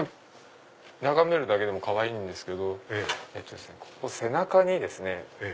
眺めるだけでもかわいいんですけど背中にですね。